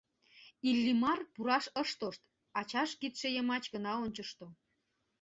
Иллимар пураш ыш тошт, ачаж кидше йымач гына ончышто.